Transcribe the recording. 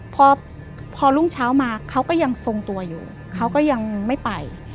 พอพอรุ่งเช้ามาเขาก็ยังทรงตัวอยู่เขาก็ยังไม่ไป